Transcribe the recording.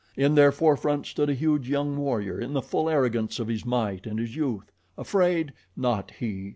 In their forefront stood a huge young warrior in the full arrogance of his might and his youth. Afraid? Not he!